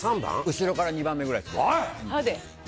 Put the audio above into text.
後ろから２番目ぐらいです。